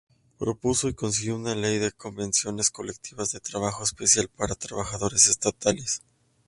Propuso y consiguió una ley de convenciones colectivas de trabajo especial para trabajadores estatales.